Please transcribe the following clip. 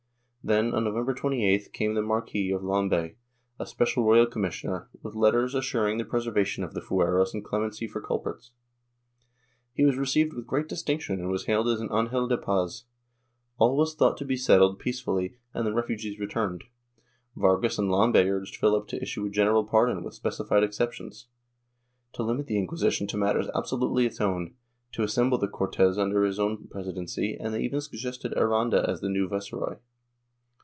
Then, on November 28th came the Marquis of Lombay, as special royal commissioner, with letters assuring the preservation of the fueros and clemency for culprits. He was received with great distinction and was hailed as an Angel de Paz; all was thought to be settled peacefully and the refugees returned. Vargas and Lombay urged Philip to issue a general pardon with specified exceptions, to limit the Inquisition to matters absolutely its own, to assemble the Cortes under his own presidency and they even suggested Aranda as the new viceroy.